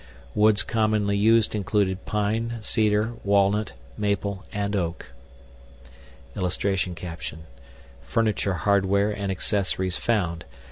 Woods commonly used included pine, cedar, walnut, maple, and oak. [Illustration: FURNITURE HARDWARE AND ACCESSORIES FOUND.